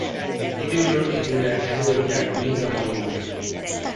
Időről időre előadják mind a mai napig.